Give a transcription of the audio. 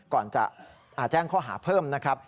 ก่อนจะแจ้งข้อหาเพิ่มนะครับ